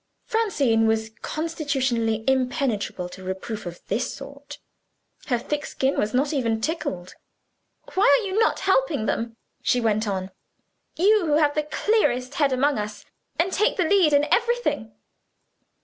Francine was constitutionally impenetrable to reproof of this sort; her thick skin was not even tickled. "Why are you not helping them," she went on; "you who have the clearest head among us and take the lead in everything?"